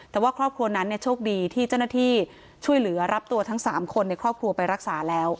แต่ว่าครอบครัวนั้นโชคดีที่เจ้าหน้าที่ช่วยเหลือรับตัวทั้ง๓คนในครอบครัวไปรักษาแล้ว